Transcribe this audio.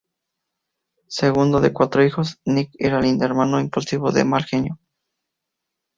Segundo de cuatro hijos, Nick era el hermano impulsivo, de mal genio.